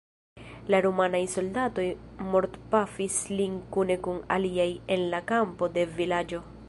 La rumanaj soldatoj mortpafis lin kune kun aliaj en la kampo de vilaĝo.